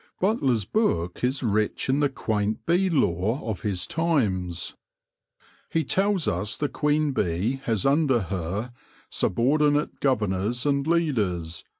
Butler's book is rich in the quaint bee lore of his times. He tells us the queen bee has under her M subordinate Gouvernours and Leaders.